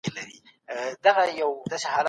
ترتیب د څېړنې لړۍ له عمده برخو څخه دی.